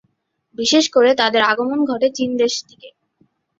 বিশেষ করে তাদের আগমন ঘটে চীন দেশ থেকে।